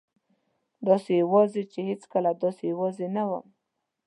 داسې یوازې چې هېڅکله داسې یوازې نه وم.